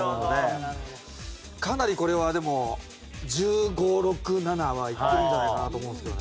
かなりこれはでも１５１６１７はいくんじゃないかなと思うんですけどね。